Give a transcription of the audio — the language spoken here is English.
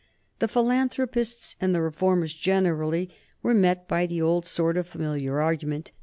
The philanthropists and the reformers generally were met by the old sort of familiar argument.